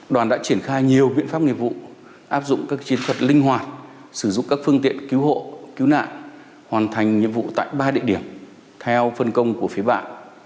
đoàn đã triển khai nhiều biện pháp nghiệp vụ áp dụng các chiến thuật linh hoạt sử dụng các phương tiện cứu hộ cứu nạn hoàn thành nhiệm vụ tại ba địa điểm theo phân công của phía bạn